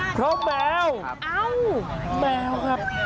เพราะแมวแมวครับ